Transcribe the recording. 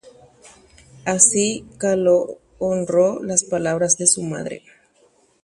Péicha Kalo omomba'eguasúkuri isy ñe'ẽ